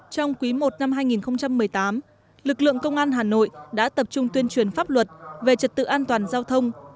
trong quý i năm hai nghìn một mươi tám lực lượng công an hà nội đã tập trung tuyên truyền pháp luật về trật tự an toàn giao thông